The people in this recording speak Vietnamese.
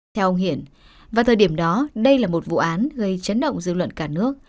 theo ông hiển vào thời điểm đó đây là một vụ án gây chấn động dư luận cả nước